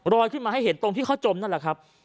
ขึ้นมาให้เห็นตรงที่เขาจมนั่นแหละครับ